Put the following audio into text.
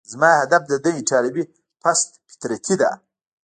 زما هدف د ده ایټالوي پست فطرتي ده.